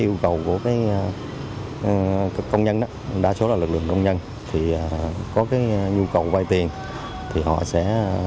yêu cầu của công nhân đó đa số là lực lượng công nhân thì có cái nhu cầu vay tiền thì họ sẽ